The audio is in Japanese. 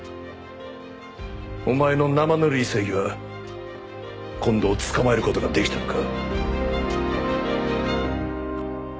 お前の生ぬるい正義は近藤を捕まえる事ができたのか？